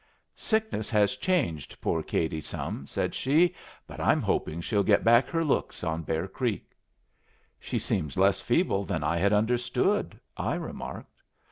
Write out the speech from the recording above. "Sickness has changed poor Katie some," said she. "But I'm hoping she'll get back her looks on Bear Creek." "She seems less feeble than I had understood," I remarked.